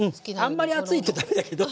あんまり厚いとダメだけど。